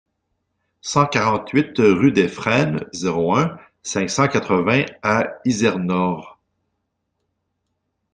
cent quarante-huit rue des Frênes, zéro un, cinq cent quatre-vingts à Izernore